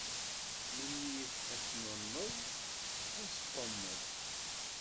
Menyif asnunneḍ asqummeḍ.